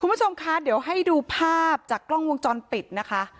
คุณผู้ชมคะเดี๋ยวให้ดูภาพจากกล้องวงจรปิดนะคะ